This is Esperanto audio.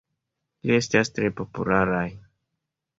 Ili estas tre popularaj.